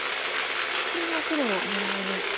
これが黒の狙いですか。